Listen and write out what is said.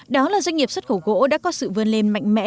đó là doanh nghiệp xuất khẩu gỗ đã có sự vươn lên mạnh mẽ